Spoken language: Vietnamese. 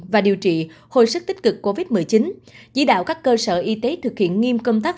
và điều trị hồi sức tích cực covid một mươi chín chỉ đạo các cơ sở y tế thực hiện nghiêm công tác